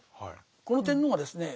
この天皇がですね